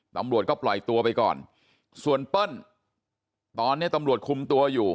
ตำรวจก็ปล่อยตัวไปก่อนส่วนเปิ้ลตอนนี้ตำรวจคุมตัวอยู่